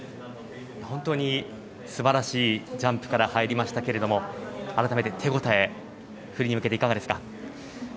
本当に素晴らしいジャンプから入りましたけれども、改めて手応え、フリーに向けていかがですか？